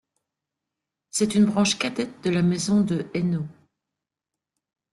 C'est une branche cadette de la maison de Hainaut.